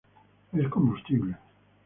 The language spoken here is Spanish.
Es combustible.